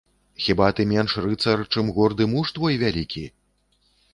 Хіба ты менш рыцар, чым горды муж твой вялікі?